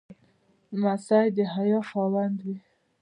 لمسی د حیا خاوند وي.